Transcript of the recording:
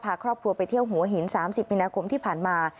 พาครอบครัวไปเที่ยวหัวหิน๓๐มินาคมที่ผ่านมา